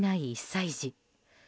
１歳児。